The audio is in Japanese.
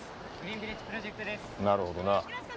なるほどな。